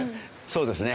そうですね。